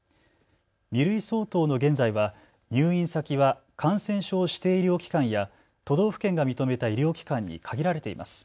２類相当の現在は入院先は感染症指定医療機関や都道府県が認めた医療機関に限られています。